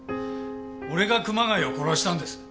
俺が熊谷を殺したんです。